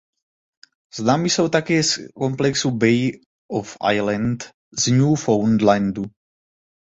Známy jsou také z komplexu Bay of Islands z Newfoundlandu.